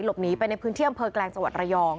หลบหนีไปในพื้นเที่ยมเพอร์แกลงสวรรค์ระยอง